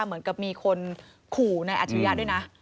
เหมือนกับมีคนขู่นายอัจฉริยะด้วยนะ